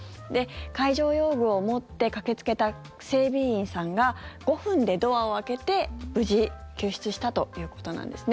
解錠用具を持って駆けつけた整備員さんが５分でドアを開けて無事、救出したということです。